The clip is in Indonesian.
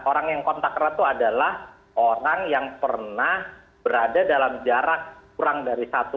orang yang kontak kerat itu adalah orang yang pernah berada dalam jarak kurang lebih jauh